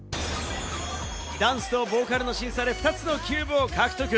ダンス・ボーカルの審査で２つのキューブを獲得。